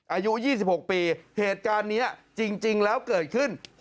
อายุ๒๖ปีเหตุการณ์นี้จริงแล้วเกิดขึ้น